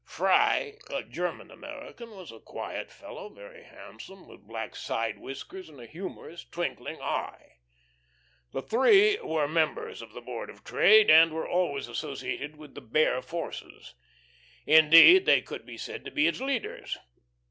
Freye, a German American, was a quiet fellow, very handsome, with black side whiskers and a humourous, twinkling eye. The three were members of the Board of Trade, and were always associated with the Bear forces. Indeed, they could be said to be its leaders.